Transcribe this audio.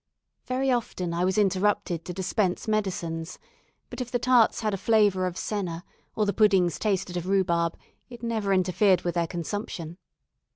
Very often I was interrupted to dispense medicines; but if the tarts had a flavour of senna, or the puddings tasted of rhubarb, it never interfered with their consumption.